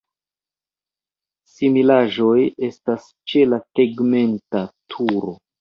Similaĵoj estas ĉe la tegmenta turo.